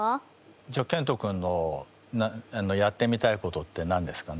じゃあけんと君のやってみたいことって何ですか？